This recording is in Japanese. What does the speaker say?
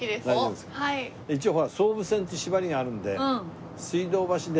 一応ほら総武線って縛りがあるんで。